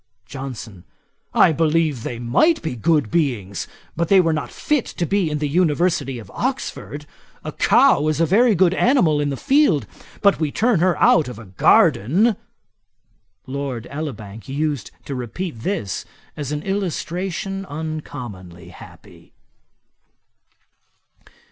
JOHNSON. 'I believe they might be good beings; but they were not fit to be in the University of Oxford. A cow is a very good animal in the field; but we turn her out of a garden.' Lord Elibank used to repeat this as an illustration uncommonly happy.